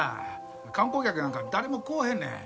観光客なんか誰も来おへんねん。